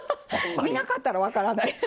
見なかったら分からない。